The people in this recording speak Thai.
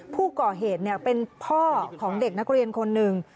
ผู้ก่อเหตุเป็นพ่อของเด็กนักเรียนคนหนึ่ง